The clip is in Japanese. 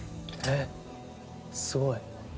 えっすごい！